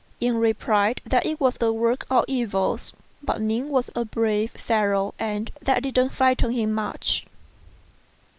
Yen replied that it was the work of devils, but Ning was a brave fellow, and that didn't frighten him much.